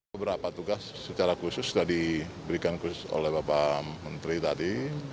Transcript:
beberapa tugas secara khusus sudah diberikan khusus oleh bapak menteri tadi